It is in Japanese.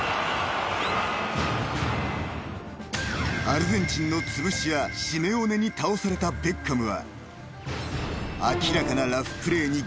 ［アルゼンチンのつぶし屋シメオネに倒されたベッカムは明らかなラフプレーに］